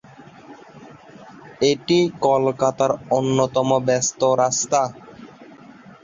এটি কলকাতার অন্যতম ব্যস্ত রাস্তা।